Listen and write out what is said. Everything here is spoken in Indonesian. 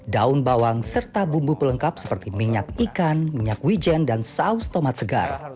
daun bawang serta bumbu pelengkap seperti minyak ikan minyak wijen dan saus tomat segar